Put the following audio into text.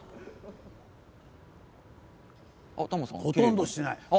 ほとんどしない。